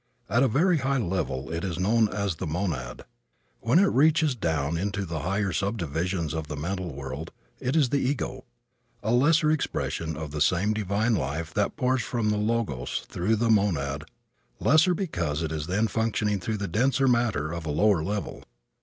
At a very high level it is known as the monad. When it reaches down into the higher subdivisions of the mental world it is the ego, a lesser expression of the same divine life that pours from the Logos through the monad lesser because it is then functioning through the denser matter of a lower level.